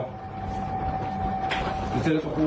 พูดเจอแล้วของกู